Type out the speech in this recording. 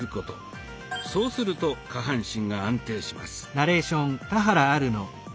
そうすると下半身が安定します。